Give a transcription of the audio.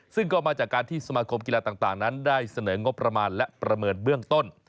ซึ่งก็มาจากการที่สมาคมกีฬาต่างนั้นได้เสนองบประมาณและประเมินเบื้องต้น